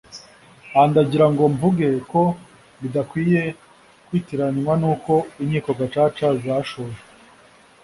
aha ndagira ngo mvuge ko bidakwiye kwitiranywa n’uko inkiko Gacaca zashojwe